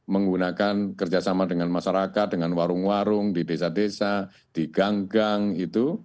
menggunakan kerjasama dengan masyarakat dengan warung warung di desa desa di gang gang itu